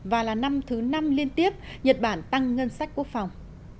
và là năm thứ năm liên tiếp nhật bản tăng ngân sách quốc phòng